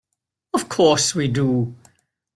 Of course we do.